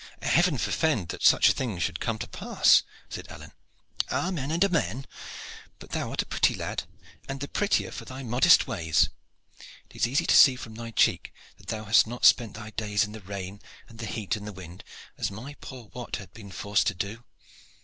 "Heaven forfend that such a thing should come to pass!" said Alleyne. "Amen and amen! But thou art a pretty lad, and the prettier for thy modest ways. It is easy to see from thy cheek that thou hast not spent thy days in the rain and the heat and the wind, as my poor Wat hath been forced to do."